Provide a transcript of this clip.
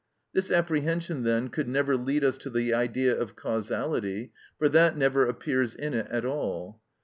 This apprehension, then, could never lead us to the idea of causality, for that never appears in it at all.